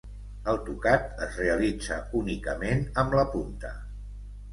El tocat es realitza únicament amb la punta.